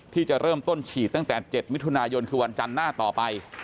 ที่จะเริ่มต้นฉีดตั้งแต่๗มิถุนายนคือวันจันทร์หน้าต่อไป